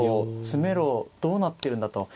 詰めろどうなってるんだと。